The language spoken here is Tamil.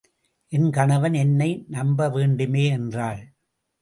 என் கணவன் என்னை நம்பவேண்டுமே என்றாள்.